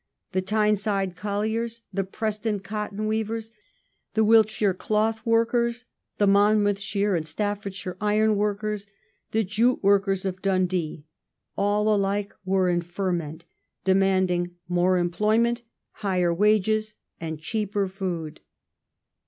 The Tyneside cornel's, the Preston cotton weavers, the Wiltshire cloth work ei"s, the Monmouth shire and Staffordshire iron workers, the jute workers of Dundee, — all alike were in ferment, demanding more employment, higher >^ j?ages, and cheaper food.